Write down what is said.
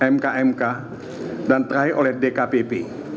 mk mk dan terakhir oleh dkpp